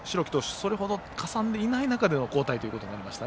それほどかさんでいない中での交代となりました。